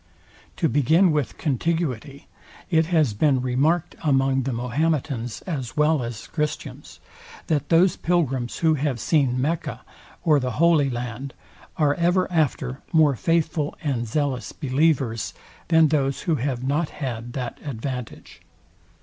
To begin with contiguity; it has been remarked among the Mahometans as well as Christians, that those pilgrims, who have seen MECCA or the HOLY LAND, are ever after more faithful and zealous believers, than those who have not had that advantage.